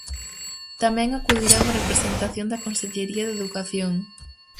Tamén acudirá unha representación da consellería de educación.